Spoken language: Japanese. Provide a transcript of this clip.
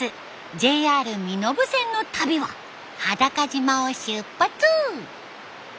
ＪＲ身延線の旅は波高島を出発。